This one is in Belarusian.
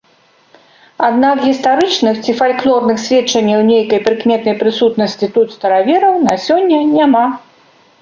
Аднак гістарычных ці фальклорных сведчанняў нейкай прыкметнай прысутнасці тут старавераў на сёння няма.